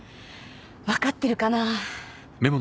わかってるかな？